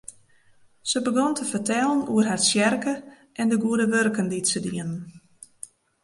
Se begûn te fertellen oer har tsjerke en de goede wurken dy't se dienen.